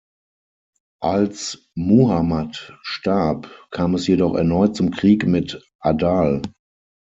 Als Muhammad starb, kam es jedoch erneut zum Krieg mit Adal.